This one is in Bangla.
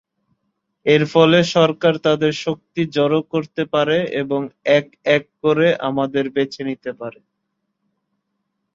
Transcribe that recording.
এর ফলে সরকার তাদের শক্তি জড়ো করতে পারে এবং এক এক করে আমাদের বেছে নিতে পারে।